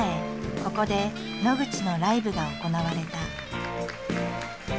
ここで野口のライブが行われた。